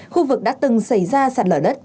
khu vực đã từng xảy ra sạt lở đất